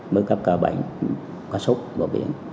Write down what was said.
mới các ca bệnh